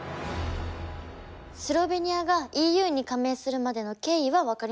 スロベニアがＥＵに加盟するまでの経緯は分かりました。